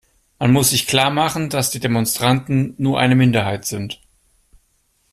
Man muss sich klarmachen, dass die Demonstranten nur eine Minderheit sind.